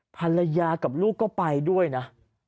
ภรรยากับลูกก็ไปด้วยนะ